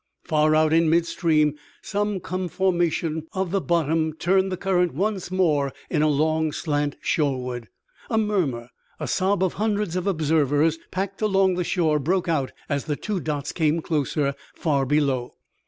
Far out in midstream some conformation of the bottom turned the current once more in a long slant shoreward. A murmur, a sob of hundreds of observers packed along the shore broke out as the two dots came closer, far below.